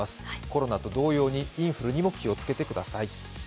コロナと同様に、インフルにも気をつけてください。